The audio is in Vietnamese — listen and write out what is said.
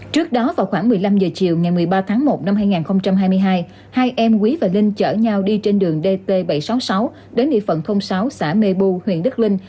trước đó vào khoảng một mươi năm h chiều ngày một mươi ba tháng một năm hai nghìn hai mươi hai hai em quý và linh chở nhau đi trên đường dt bảy trăm sáu mươi sáu đến địa phận thôn sáu xã mê bu huyện đức linh